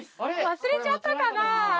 忘れちゃったかな？